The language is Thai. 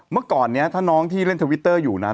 เมื่อก่อนนี้ถ้าน้องที่เล่นทวิตเตอร์อยู่นะ